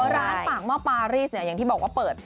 ร้านปากหม้อปารีสเนี่ยอย่างที่บอกว่าเปิด